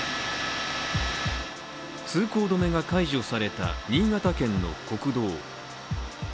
通行止めが解除された新潟県の国道。